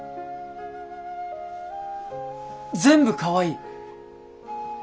全部かわいい！